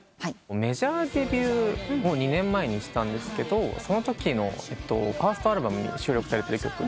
メジャーデビューを２年前にしたんですけどそのときのファーストアルバムに収録されてる曲で。